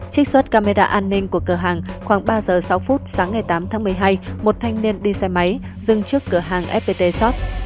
trích xuất camera an ninh của cửa hàng khoảng ba giờ sáu phút sáng ngày tám tháng một mươi hai một thanh niên đi xe máy dừng trước cửa hàng fpt shop